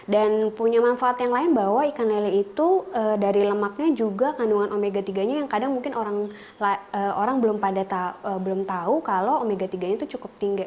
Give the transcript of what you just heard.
dan punya manfaat yang lain bahwa ikan lele itu dari lemaknya juga kandungan omega tiga nya yang kadang mungkin orang belum tahu kalau omega tiga nya itu cukup tinggi